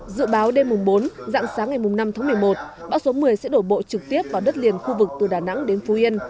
dự báo đêm mùng bốn dạng sáng ngày năm tháng một mươi một bão số một mươi sẽ đổ bộ trực tiếp vào đất liền khu vực từ đà nẵng đến phú yên